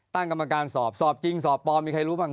ตั้งกรรมการสอบสอบจริงสอบปลอมมีใครรู้บ้าง